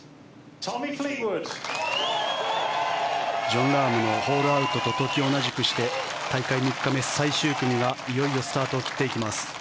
ジョン・ラームのホールアウトと時同じくして大会３日目、最終組がいよいよスタートを切っていきます。